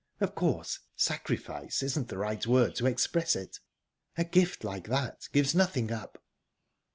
Of course, 'sacrifice' isn't the right word to express it. A gift like that gives nothing up..."